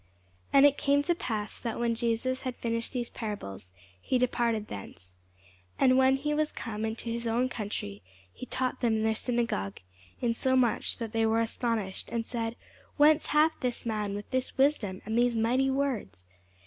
And it came to pass, that when Jesus had finished these parables, he departed thence. And when he was come into his own country, he taught them in their synagogue, insomuch that they were astonished, and said, Whence hath this man this wisdom, and these mighty works?